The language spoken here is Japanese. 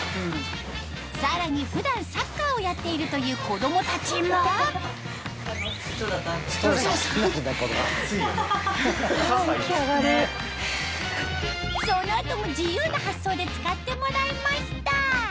さらに普段サッカーをやっているという子供たちもその後も自由な発想で使ってもらいました